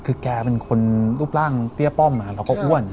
คือแกเป็นคนรูปร่างเตี้ยป้อมเราก็อ้วน